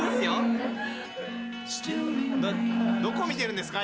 どこ見てるんですか？